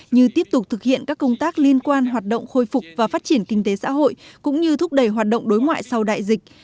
như tiếp tục thực hiện các công tác liên quan hoạt động khôi phục và phát triển kinh tế xã hội cũng như thúc đẩy hoạt động đối ngoại sau đại dịch